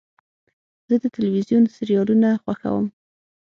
زه د تلویزیون سریالونه خوښوم.